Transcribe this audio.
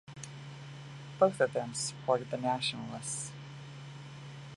Both of them supported the Nationalists.